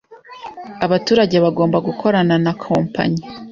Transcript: abaturage bagomba gukorana na Kompanyi